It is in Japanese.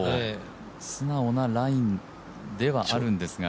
素直なラインではあるんですが。